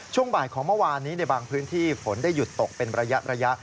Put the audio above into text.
ช่วงบ่ายของเมื่อวานนี้ในบางพื้นที่ฝนได้หยุดตกเป็นระยะ